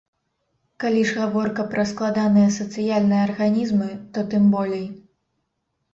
Калі ж гаворка пра складаныя сацыяльныя арганізмы, то тым болей.